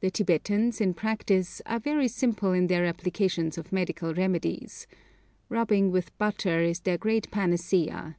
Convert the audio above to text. The Tibetans, in practice, are very simple in their applications of medical remedies. Rubbing with butter is their great panacea.